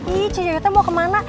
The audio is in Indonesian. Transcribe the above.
ih cie yoyotnya mau kemana